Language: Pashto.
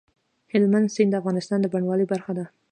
هلمند سیند د افغانستان د بڼوالۍ برخه ده.